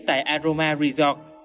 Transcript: tại aroma resort